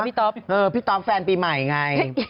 พี่ต๊อปแฟนปีใหม่ไง